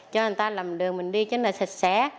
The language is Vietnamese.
cho người ta làm đường mình đi cho nó sạch sẽ